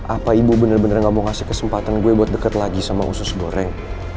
apa ibu benar benar gak mau ngasih kesempatan gue buat deket lagi sama usus goreng